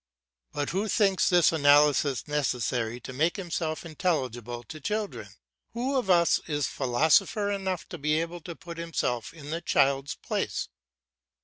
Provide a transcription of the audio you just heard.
But who thinks this analysis necessary to make himself intelligible to children? Who of us is philosopher enough to be able to put himself in the child's place?